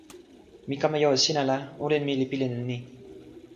mi kama jo e sina la, olin mi li pilin e ni: